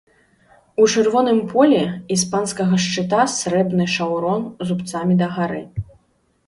У чырвоным полі іспанскага шчыта срэбны шаўрон зубцамі дагары.